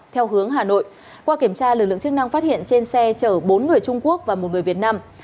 theo hướng hà nội qua kiểm tra lực lượng chức năng phát hiện trên xe chở bốn người trung quốc và một người việt nam